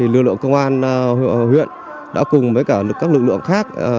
lực lượng công an huyện đã cùng với cả các lực lượng khác